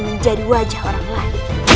menjadi wajah orang lain